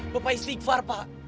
bapak istighfar pak